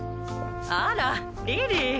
あらリリー。